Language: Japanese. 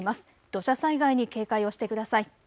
土砂災害に警戒をしてください。